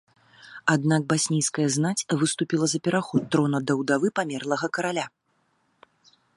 Аднак баснійская знаць выступіла за пераход трона да ўдавы памерлага караля.